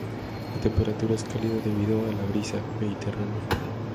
La temperatura es cálida, debido a la brisa mediterránea.